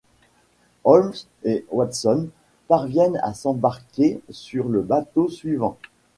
Holmes et Watson parviennent à s'embarquer sur le bateau suivant.